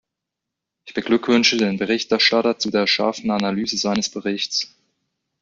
Ich beglückwünsche den Berichterstatter zu der scharfen Analyse seines Berichts.